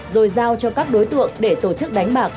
rồi giao cho các đối tượng để tổ chức đánh bạc